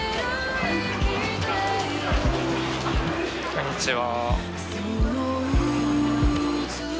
こんにちは。